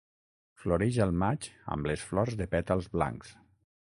Floreix al maig amb les flors de pètals blancs.